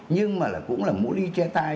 nhưng mà cũng là mũi ly che tay